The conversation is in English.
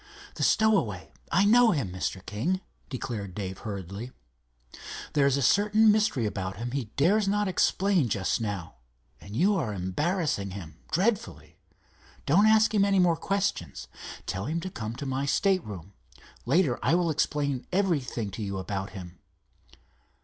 "The stowaway. I know him, Mr. King," declared Dave, hurriedly. "There is a certain mystery about him he dares not explain just now, and you are embarrassing him dreadfully. Don't ask him any more questions. Tell him to come to my stateroom. Later, I will explain everything to you about him."